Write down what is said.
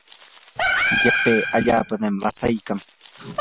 qipi allaapam lasaykan.